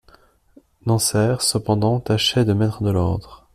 Dansaert, cependant, tâchait de mettre de l'ordre.